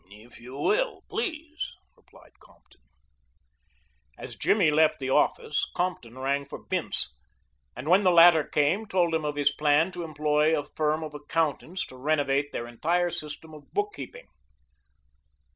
"If you will, please," replied Compton As Jimmy left the office Compton rang for Bince, and when the latter came, told him of his plan to employ a firm of accountants to renovate their entire system of bookkeeping.